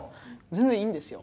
全然いいんですよ